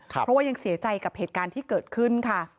เพราะว่ายังเสียใจกับเหตุการณ์ที่เกิดขึ้นค่ะ